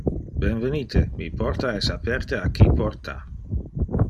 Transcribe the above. Benvenite! Mi porta es aperte a qui porta.